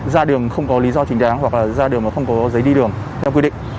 ra đường không có lý do chính đáng hoặc là ra đường mà không có giấy đi đường theo quy định